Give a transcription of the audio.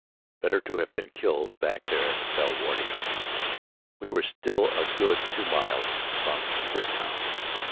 Better to have been killed back there in Belle waarde. We were still a good two miles from Ypres town.